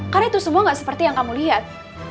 karena itu semua nggak seperti yang kamu lihat